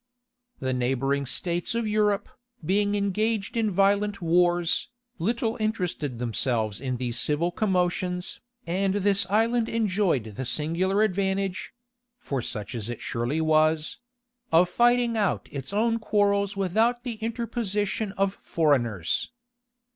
The neighboring states of Europe, being engaged in violent wars, little interested themselves in these civil commotions; and this island enjoyed the singular advantage (for such it surely was) of fighting out its own quarrels without the interposition of foreigners.